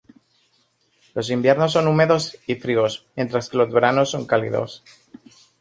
Los inviernos son húmedos y fríos, mientras que los veranos son cálidos.